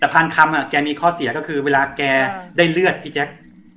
แต่พันคำแกมีข้อเสียก็คือเวลาแกได้เลือดพี่แจ๊ค